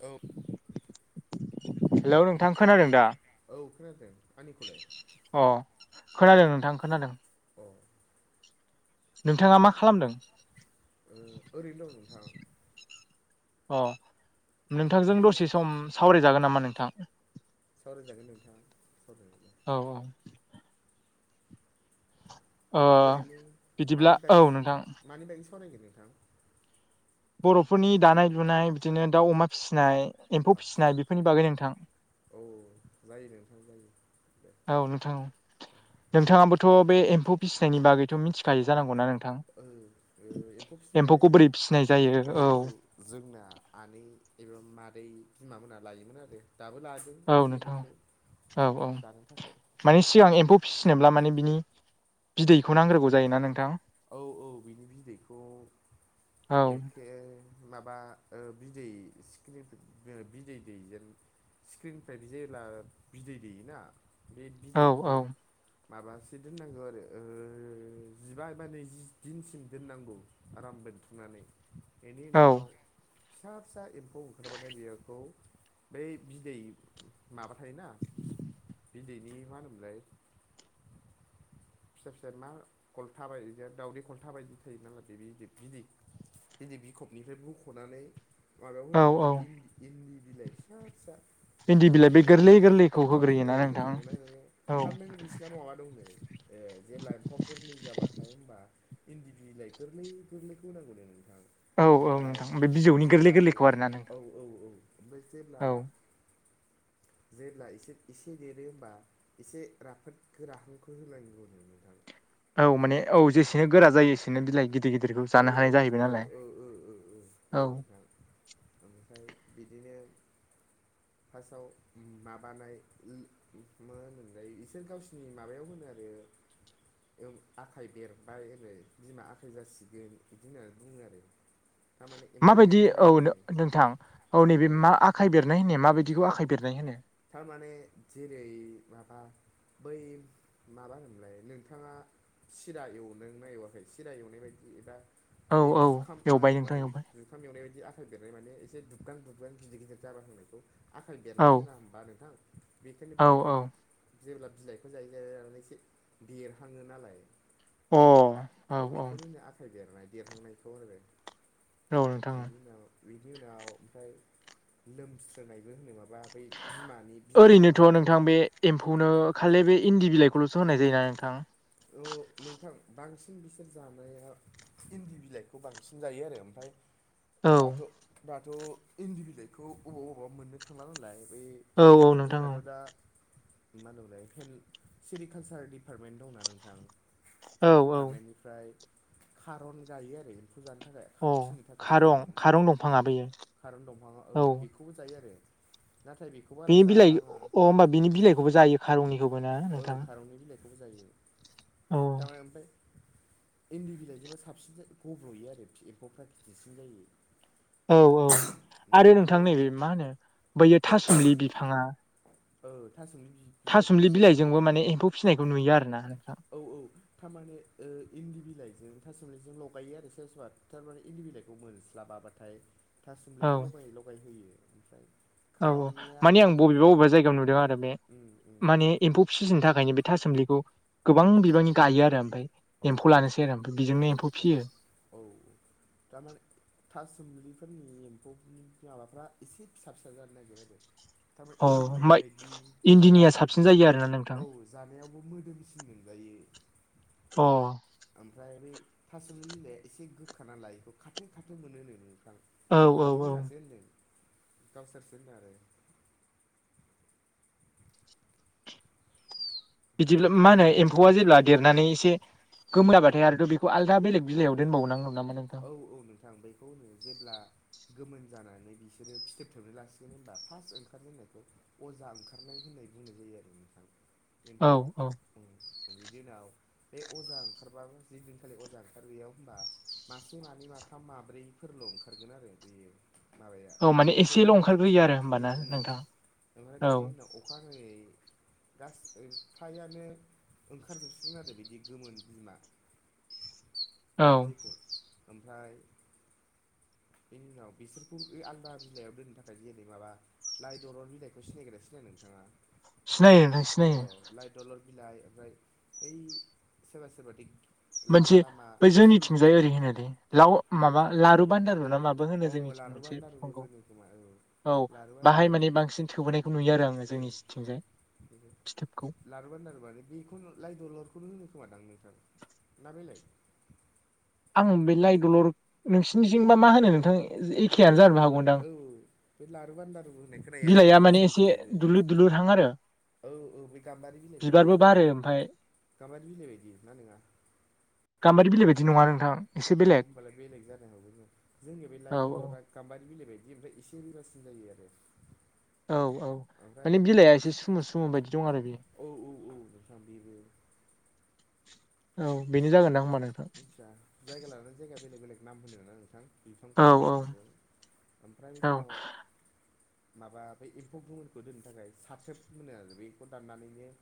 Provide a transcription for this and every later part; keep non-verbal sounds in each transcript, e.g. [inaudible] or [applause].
औ हेलौ नोंथां खोनादों दा? औ खोनादों आंनिखौलाय अ खोनादों नोंथां खोनादों। औ। नोंथाङा मा खालामदों? ओरैनो दं नोंथां। अह नोंथांजों नोंथां दसे सम सावराय जागोन नामा नोंथां? ओह दे औ औ। ओ ओरैनो बिदिब्ला मानि औ बागै सा नोंथां मानि बागै सावरायनो नोंथां? बर'फोरनि दानाय लुनाय बिदिनो दाउ अमा फिसिनाय एम्फौ आदसा फिसिनाय बेफोरनि बागै नोंथां। औ जायो नोंथां जायो। दे औ नोंथां औ नोंथाङाबोथ' बे एम्फौ फिसिनायनि बागैथ' मिथिखायो जानांगौ ना नोंथां? ओ एम्फौ फिसिनाय थां माने एम्फौखौ बोरै फिसिनाय जायो औ। जोंना आनै एबा मादै बिमा मोना लायोमोन आरो दाबो लादों। औ एसे नोंथां एनैखौ औ औ जानो थाखाय माने सिगां एम्फौ फिसिनोब्ला माने बिनि बिदैखौ नांग्रोगौ जायोना नोंथां। औ औ बिनि बिदैखौ औ एखे माबा ओ बिदै सिख्रि ओ बिदै दैजेन सिख्रिनिफ्राय बि जेब्ला बिदै दैेयोना बे औ बिदैखौ औ माबासो दोननांगौ आरो ओ जिबा माने जि दिनसिम दोननांगौ आराम बोनथुमनानै बेनि औ उनाव फिसा फिसा एम्फौ ओंखारबाथाय बिदैखौ बै बिदै माबा थायोना बिदैनि मा होनोमोनलाय फिसा फिसा मा खलथा बायदि दावदै खलथा बायदि थायोनालाय बिनि बिदै इदि बिखबनिफ्राय बख'नानै माबायाव औ होनांगौ आरो औ इन्दि इन्दि बिलाइ फिसा फिसा इन्दि बिलाइ बे थारमाने गोरलै गोरलैखौ औ औ होग्रोयोना नोंथां माने औ थारमाने बिस्रा माबा दं नै ए जेब्ला एम्फौआ गोरलै जाबाथाय होनबा इन्दि बिलाइ गोरलै गोरलैखौ होनांगौ ने नोंथां औ औ ओमफ्राय नोंथां बे बिजौनि गोरलै जेब्ला गोरलैखौ आरोना नोंथां औ औ औ ओमफ्राय जेब्ला औ जेब्ला एसे एसे देरो होमबा एसे राफोद गोराहांखौ होनांगौ। [unintelligible] औ माने औ जेसेनो गोरा जायो एसेनो बिलाइ गिदिर गिदिरखौ ओ ओ जानो हानाय जाहैबाय नालाय ओ ओ ओ औ औ नोंथां। ओमफ्राय बिदिनो फार्स्टआव माबानाय ओम मा होननो मोनलाय इबिसोर गावसोरनि माबायाव होनो आरो। आखाइ बेरबाय ओरै बिमा आखाइ जासिगोन। बिदि होननानै बुङो आरो थारमाने एम्फौ माबायदि औ देरहांनायखौनो नोंथां औ नैबे ओइ मा आखाइ बेरनाय होननाया माबायदिखौ आखाइ बेरनाय होनो थारमाने जेरै माबा बै माबा होनलाय नोंथाङा सिरा एवदोंना एवाखै सिरा एवनाय बायदि दा औ बै औ जुखामा ओ एवबाय मा नोंथां होनोमोनलाय एवबाय जुखाम एवनाय बायदि आखाइ बेरनाय माने एसे दुुबगां दुबगां गिदिर गिदिर जाबोहांनायखौ आखाइ औ बेरनाय होना होनबाना बा नोंथां बेखायनो औ बेबो औ जेब्ला बिलाइखौ जायै जायै जानानै एसे देरहाङो नालाय अ औ औ अ औ बेेखौनो आखाइ बेरनाय बेरहांनायखौ आरो। नोंथां औ। इनि उनाव बेनि उनाव ओमफ्राय लोमस्रोनायबो होनो माबा बै बिमानि बिमा जानो ओरैनोथ थाखाय नोंथां बे एम्फौनो खालि बे इन्दि बिलाइखौलसो होनाय जायोना नोंथां? औ नोंथां बांसिन बिसोर जानाया इन्दि बिलाइखौ बांसिन जायो आरो ओमफाय औ दाथ दाथ इन्दि बिलाइखौ बबा अबेबा मोननो थांला नालाय बै औ औ नोंथां औ जोंनाथ दा मा दंलाय सेरिकालसार डिपार्टमेन्ट दंना नोंथां? औ बे औ डिपार्टमेन्टनिफ्राय खारन गायो आरो। जानो थाखाय खा औ फिनो थाखाय खारं खारन खारं उम दंफाङा बेयो खारन दंफां औ बेखौ खौबो जायो आरो नाथाय बेखौ खौ बारा बेनि बिलाइ जाबाङा अ होमबा बिनि बिलाइखौबो जायो खारंनिखौबो ना ओ नोंथां खारननि बिलाइखौ खौबो जायो औ थार माने ओमफाय इन्दि बिलाइजोंबो साबसिन गब्लयो आरो एम्फौफ्रा गिदिरसिन जायो। औ औ ओम आरो नोंथां ओमफ्राय नैबे मा होनो बैयो थासुमलि बिफाङा औ थासुमलि बि थासुमलि बिलाइजोंबो माने एम्फौ फिसिनायखौ नुयो आरोना नोंथां। औ औ थारमाने ओ इन्दि बिलाइजों था सिमलिजों लगायो सोरबा सोरबा। थारमाने इन्दि बिलाइखौ मोनस्लाबाबाथाय औ थासुमलिखौ लगायै लगाय होयो ओमफ्राय औ औ खारननिया माने आं बबेबा बबेबा जायगायाव नुदों आरो बे ओम ओम माने एम्फौ फिसिनो थाखाय बे थासुम्लिखौ गोबां बिबांनि गायो आरो ओमफाय औ एम्फौ लानोसै आरो ओमफ्राय बिजों ओ ओ औ दा माने थासुमलिफोरनि एम्फौनि माबाफ्रा एसे फिसा फिसा जानो नागिरो आरो। थारमाने अ इन्दि होमबा बिलाइनि बायदि जाया इन्दिनिया आरो साबसिन जायो आरोना नोंथां औ। जानायावबो मोदोमसिन मोनजायो। अ। ओमफ्राय बै थासुमलि बिलाइआ एसे गोखानालाय बेखौ खाथो खाथो मोनो नो नोंथां। औ मादै औ मोनासो होनदों गावसोरसो होनदों आरो। बिदिब्ला मा होनो ओमफ्राय एम्फौआ जेब्ला देरनानै एसे गोमो जाबाथाय आरोथ बेखौ आलदा बेलेग बिलाइआव दोनबाव नागौ नामा नों औ औ नोंथां बेखौनो जेब्ला गोमोन जानानै बिसोरो फिथोबथोबनो लासिगोन होनबा फार्स्ट ओंखारजेननायखौ अजा ओंखारनाय होननाय बुंनाय जायो आरो नोंथां औ एम्फौ औ बिनि उनाव बे अजा ओंखारबाबो जेदिनखालि अजा ओंखार बैयाव होनबा मासे मानै माथाम माब्रैफोरल ओंखारगोन आरो बेयो। माबाया औ माने एम्फौ एसेल' गोमोना ओंखारग्रोयो आरो होमबाना उम‌ उम‌ नोंथां ओमफ्राय औ बिनि उनाव अखानायै गासै फ्रायानो ओंखारजोबसिगोन आरो बिदि गोमोन बिमा औ जेखौ ओमफ्राय बेनि उनाव बिसोरखौ आलादा बिलाइयाव दोननो थाखाय जेरै माबा लाइ दरन बिलाइखौ सिनायगोनासिनाया नोंथाङा? सिनायो नोंथां औ सिनायो। लाइ दलर बिलाइ ओमफ्राय ऐ सोरबा सोरबा दिग मोनसे बै जोंनिथिंजाय ओरै होनोलै लाव माबा लारु बान्दारु ना माबा। बो होनो औ जोंनिथिं लारु मोनसे बान्दारुबो बिफांखौ। होनो खोमा औ औ लारु बान्दारु बाहाय माने बांसिन थोबोनायखौ नुयो आरो आङो औ जोंनिथिंजाय फिथोबखौ। लारू बानदार माने बेखौनो लाइ दलरखौनो होनो खोमादां नोंथां ना बेलेग। आं बे लाइ दलर नोंसिनिथिंजाबा मा होनो नोंथां एइ। थारमाने औ बे लारु बानदारू होननाय खोनायो आं बिलाइआ बेखौनो माने एसे जोंनिखिजायबो दुलुर दुलुरहां आरो औ औ बे गाम्बारि बिलाइ बायदि बिबारबो बारो ओमफाय गाम्बारि बिलाइ बायदि ना नङा गामबारि बिलाइ बायदि नङा नोंथां। एसे अ बेलेग होनबालाय बेलेग जानो हागौ न' जोंनि बे औ लाइ दलरा गाम्बारि बिलाइ बायदि एसे रुरासिन जायो आरो। औ औ ओमफ्राय माने बिलाइआ एसे सुमुर सुमुर बायदि दं आरो बेयो। औ औ औ नोंथां बेबो औ बेनो जागोनदां होमबा नोंथां। मिथिया जायगा लानानै जायगा बेलेग बेलेग नाम होनोना नोंथां। औ बिफांफोरनि औ नामखौबो ओमफ्राय औ बिनि उनाव माबा बै एम्फौ गोमोनखौ दोननो थाखाय साथोब मोनो आरो बेखौ दाननानैनो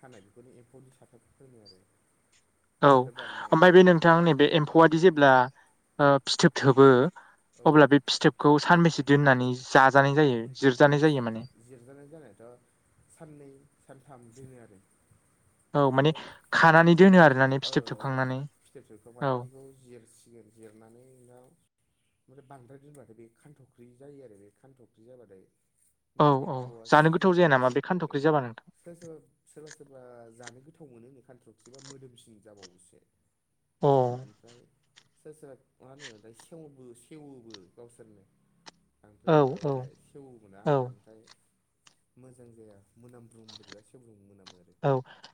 खानाय बेखौनो एम्फौनि साथोब होनो आरो। औ साथाब दाननाय ओमफ्राय बे नोंथां नैबे एम्फौआादि जेब्ला ओ फिथोब थोबो। औ अब्ला बे फिथोबखौ सानबैसे दोननानै जाजानाय जायो जिरजानाय जायो माने। जिरजानाय जानायाथ' साननै सानथाम दोनो आरो। औ माने खानानै दोनो आरोना ने ओमफ्राय फिथोब थोबखांनानै फिथोब औ थोबखांबाथाय बेखौ जिर सिगोन जिरनानै नोंथां ओमफ्राय बांद्राय दोनबाथाय बे खान्थ'ख्रि जायो आरो बे। खानथफ्रि जाबाथाय औ बिमा औ एम्फौआ जानो सिखिरि गोथाव जाया नामा ओंखारसै बे ओ खान्थ'ख्रि ओ जाबा नोंथां सोरबा सोरबा सोरबा सोरबा जानो गोथाव मोनो नै खान्थ्रखि बा मोदोमसिन जाबावोसो। अ। ओमफ्राय सोर सोरबा मा होनो दा सेवबो सेवोबो गावसोरनो। बे औ औ माबायाबाथाय सेवोबोना औ ओमफ्राय। मोजां जाया मोनामब्रुं बोरैबा सेवब्रुं मोनामो आरो। औ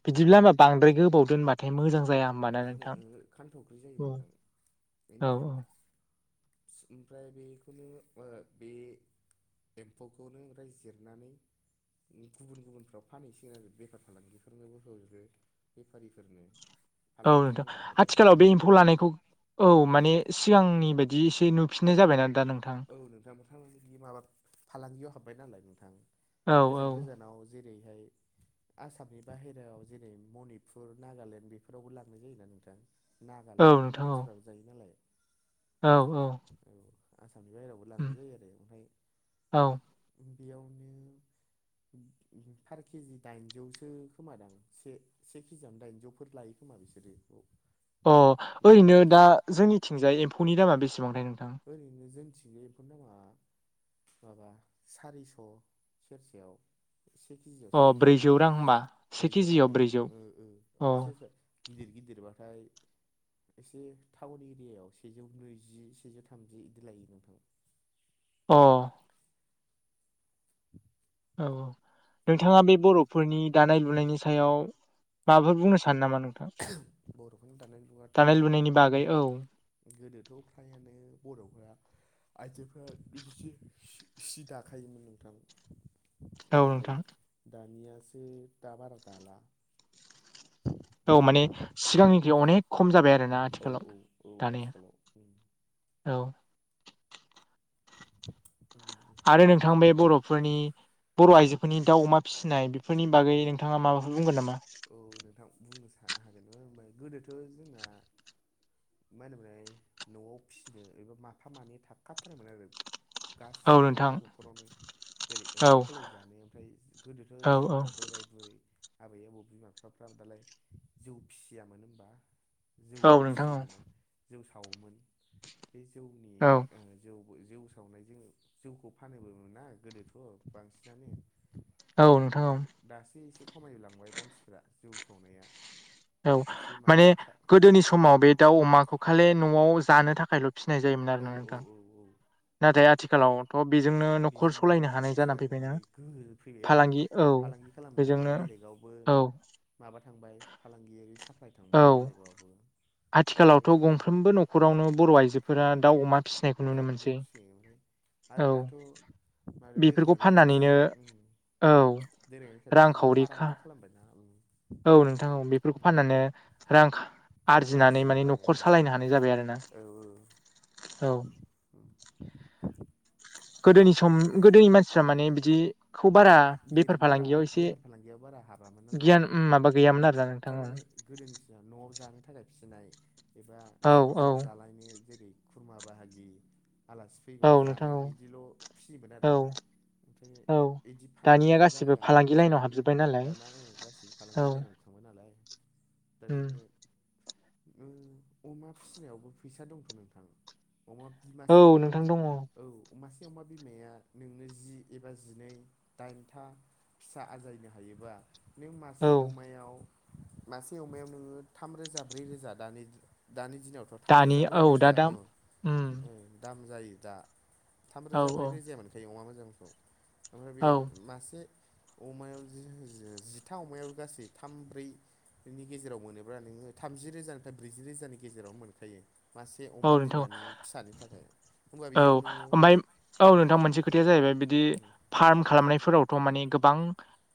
बिदिब्ला होमब्लाबांद्राय गोबाव दोनबाथाय मोजां जाया। होमबा ना ओहो नोंथां ओहो खानथ'ख्रि जायो औ नोंथां औ बेनि उनाव फिस ओमफ्राय बेखौनो बे। एम्फौखौनो राइ जिरनानै। गुबुन गुबुनफ्राव फानहैसिगोन आरो बेफार फालांगिफोरनोबो हरो बेफारिफोरनो। औ फालांगि नोंथां खालामग्राफोरनो आथिखालाव बे एम्फौ लानायखौ औ माने सिगांनि बायदि एसे नुफिननाय जाबायना दा नों औ नोंथां नोंथांदि माबा फालांगियाव हाबबाय नालाय नोंथां औ औ गोजान गोजानाव। जेरैहाय। आसामनि बाहेरायाव जेरै मनिपुर, नागालेण्ड बेफोरावबो लांनाय जायोना नोंथां। औ नागालेण्डफोरनि नोंथां औ मानसिफ्राबो जायो नालाय। औ औ। औ आसामनि बाहेरावबो उम लांनाय जायो ओमफाय औ बेयावनो। उम उम पार केजि दाइनजौसो खोमादां से। से केजि आवनो दाइनजौफोर लायो खोमा बिसोरो बेखौ। अ ओरैनो दा जोंनिथिंजाय एम्फौनि दामा बेसेबांथाय नोंथां। ओरैनो जोंनिथिंजाय एम्फौनि दामा माबा सारिस' सेरसेयाव। से केजि आव अ सारिस' ब्रैजौ जायो रां होमबा से ब्रैजौ रां केजियाव ओ ब्रैजौ ओ ओ अ ओमफाय सेसा गिदिर गिदिरबाथाय एसे टाउन एरियायाव सेजौ नैजि सेजौ था थामजि इदि लायो नोंथां। अ [unintelligible] औ औ नोंथाङा बे बर'फोरनि दानाय लुनायनि सायाव माबाफोर बुंनो सानो नामा नोंथां बर'फोरनि दानाय लुगाथ' दानाय लुनायनि बागै औ। गोदोथ' फ्रायानो बर'फ्रा आइजोफोरा ब्रैसि सि दाखायोमोन नोंथां। औ नाथाय नोंथां दानियासो दा बारा दाला। औ माने सिगांनिख्रुय अनेक खम जाबाय आरोना औ आथिखालाव औ आथिखालाव उम दानाया औ। [unintelligible] आरो नोंथां बे बर'फोरनि बर' आइजोफोरनि दाउ अमा फिसिनाय फोरनि बागै अ नोंथाङा माबाफोर बुंगोन नामा? औ नोंथां बुंनो सा हागोनमोन होना गोदोथ' जोंना मा होनोमोनलाय न'आव फिसिनो एबा माफा मानै थाखाथारोमोन आरो। औ गासिबो नोंथां न'खरावनो। जेरै औ ओंखाम खालाय जानाय ओमफ्राय गोदोथ' औ जोंहा बोराय बुरै आबै आबौ बिमा बिफाफ्राबो दालाय जौ फिसियामोन होमबा। जौ औ नोंथां औ फिसियोमोना जौ सावोमोन बे जौनि औ ओ जौबो जौ सावनायजों जौखौ फानोबो मोनना गोदोथ' बांसिनानो। औ नोंथां ओमफ्राय दासो एसे खमाय लांबाय मानसिफ्रा जौ सावनाया‌। औ माने गोदोनि समाव बे दाउ अमाखौ खालि न'आव जानो थाखायल' फिनाय जायोमोन आरो औ ना औ नोंथां औ औ नाथाय आथिखालाव थ' बेजोंनो न'खर बेजोंनो सालायनो हानाय न'खर जाना सालायनो फैबाय ना हानाय गोहो फैबाय आरो फालांगि औ। फालांगि खालामनो हाबाय बेजोंनो बेलेगावबो औ माबा थांबाय फालांगियारि साप्लाय औ थांबाय बेलेगावबो ओमफ्राय फ्रोमबो न'खरावनो बर' आइजोफोरा दाउ अमा फिसिनायखौ नुनो दाउ अमा मोनसै फिसियो ओमफ्राय आरो औ दाथ' आरो बेफोरखौ दोरोङारि फाननानैनो खान्थिजों उम औ दोरोङारि खान्थिजों रांखावरि खा फारामबो खालामबायना उम। औ नोंथां औ बेफोरखौ उम फाननानै रां रां आरजिनानै आरजिनो माने हाबाय ओ न'खर सालायनो हानाय जाबाय आरो ना। औ औ औ [unintelligible] गोदोनि सम गोदोनि मानसिफ्रा माने बिदि बेथबारा बेफार फालांगियाव बारा हाबामोन नालाय गियान नोंथां माबा उम गैयामोन आरोना नोंथां थारमाने औ गोदोनिसिना न'आव जानो थाखाय फिसिनाय एबा ज' औ ज' जालायनि जेरै खुरमा बाहागि आलासि फैबा औ नोंथां जानो औ बिदिल' फियोमोन आरो औ ओमफ्राय औ बिदि दानिया फाननायानो गासिबो जाखायामोन ओनफ्राय फालांगि लाइनाव ओं हाबजोब्बाय नालाय दाना ओं गासिबो औ फालांगि लायनाव थांबाय नालाय दा उम जेनि ओ अमा फिनायावबो फैसा दंथ' नोंथां। अमा औ बिमासे अमा नोंथां बि दङ औ अमासे अमा बिमाया नोंनो जि एबा जिनै दाइनथा फिसा आजायनो हायोबा नों मासे औ अमायाव मासे अमायाव नोङो थाम रोजा ब्रै रोजा दानि द-दानि दिनावथ' दानि थामरोजा ब्रै औ दा रोजायाव दा उम उम ओ दाम जायो दा औ थामरोजा ब्रै रोजाय मोनो दायो अमा मोजांफ्राव [unintelligible] [unintelligible] मासे अमायाव जि-जिथा अमायाव गासै थाम ब्रै बेनि गेजेराव मोनोब्ला नोङो थामजि रोजानिफ्राय ब्रैजि रोजानि गेजेरावनो मोनखायो मासे अमा औ नोंथां बिमानि फिसानि थाखाय होमबा औ बेयाव नोङो ओमफाय औ नोंथां मोनसे खोथाया जाहैबाय बिदि फार्म खालामनायफोरावथ' माने गोबां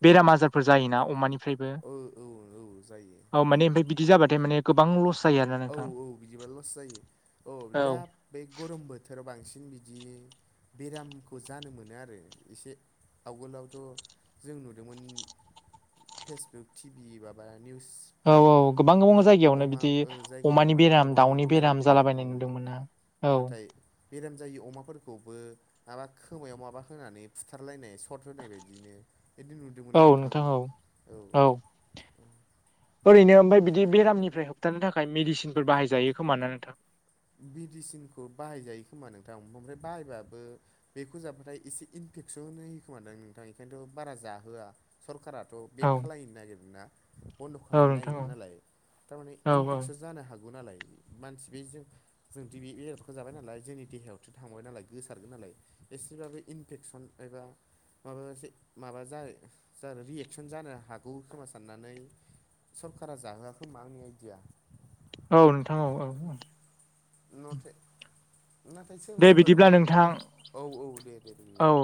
बेराम आजारफोर जायोना अमानि फ्रायबो औ औ औ जायो औ माने बे-बिदी ओमफाय बिदि जाबाथाय माने गोबां लस जायो आरोना औ नोंथां औ बिदिबा लस जायो औ दा बे गरम बोथोराव बांसिन बिदि बेरामखौ जानो मोनो आरो एसे आवगोलावथ' जों नुदोंमोन फेसबुक टिभि बा-बा औ निउसफोराव औ गोबां मा गोबां जायगायावनो अमा बिदि ओ जायगायाव अमानि माने बेराम अमानि दाउनि बेराम फैदों उम जालाबायनाय नुदोंमोन ना औ नाथाय बेराम जायि अमाफोरखौबो माबा खोमायाव माबा होनानै फुथारलायनाय सर्ट होनाय बायदिनो बिदि नु दों मोन ना औ नोंथां? औ औ ओरैनो ओमफाय बिदि बेरामनिफ्राय होबथानो थाखाय मेडिसिनफोर बाहायजायो खोमा ना नोंथां? बिडिसिनखौ बाहायजायो खोमा नोंथां ओमफ्राय बाहायबाबो बेखौ जाबाथाय इसे इनफेक्स'न होयोखोमा दां नोंथां ओंखायनोथ' बारा जाहोआ सरकाराथ' बेन औ खालायनो नागिरदों ना? बन्द' औ खालायनो नोंथां नागिरो औ नालाय थारमाने औ इनफेक्स'न जानो हागौ नालाय मानसि बे जों जों दि बे एरखौ जाबाय नालाय जोंनि देहायावथ' थांबाय नालाय गोसारगोन नालाय एसेबाबो इनफेक्स'न एबा माबा मोनसे माबा जाय जानो रियेक्स'न जानो हागौ खोमा साननानै सरकारा जाहोआ खोमा आंनि आइडिया। औ नोंथां औ औ औ। नथे नाथाय सोरबा दे सोरबा बि बिदिब्ला नोंथां औ औ दे दे औ [unintelligible]